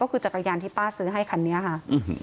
ก็คือจักรยานที่ป้าซื้อให้คันนี้ค่ะ